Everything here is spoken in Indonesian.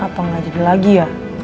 apa nggak jadi lagi ya